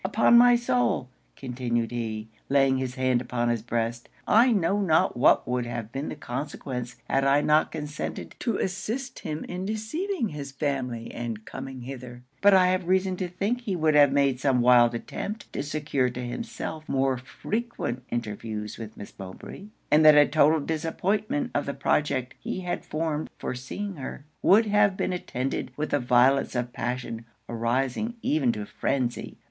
Upon my soul,' continued he, laying his hand upon his breast, 'I know not what would have been the consequence, had I not consented to assist him in deceiving his family and coming hither: but I have reason to think he would have made some wild attempt to secure to himself more frequent interviews with Miss Mowbray; and that a total disappointment of the project he had formed for seeing her, would have been attended with a violence of passion arising even to phrenzy.